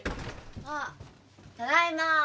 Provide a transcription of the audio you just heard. あっただいま！